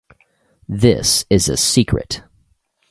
This is a secret.